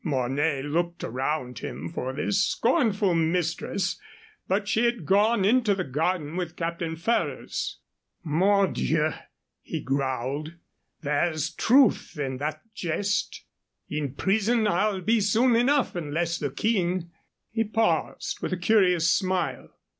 Mornay looked around him for this scornful mistress, but she had gone into the garden with Captain Ferrers. "Mordieu!" he growled. "There's truth in that jest. In prison I'll be, soon enough, unless the King " He paused, with a curious smile.